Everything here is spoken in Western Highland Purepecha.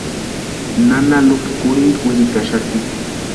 Nana Lupa kurhinta wirikaxati.